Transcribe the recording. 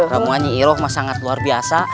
kamu ini iroh mah sangat luar biasa